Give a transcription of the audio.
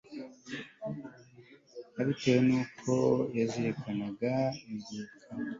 abitewe n'uko yazirikanaga izuka